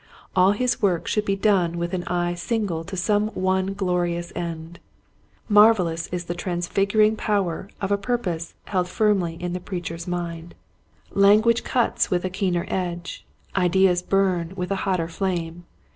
All his work should be done with an eye single to some one glorious end. Marvelous is the transfiguring powder of a purpose held firmly in the preacher's Building the lower. 93 mind. Language cuts with a keener edge. Ideas burn with a hotter flame.